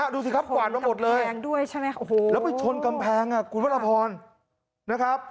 ดูสิครับกว่านมาหมดเลยเอ่อโหแล้วไปชนกำแพงอ่ะขุนพรภรณ์นะครับ